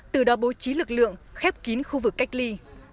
từ đó bố trí lực lượng khép kín khu vực cách ly